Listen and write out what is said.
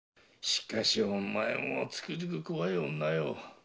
しかしお前もつくづく怖い女よ。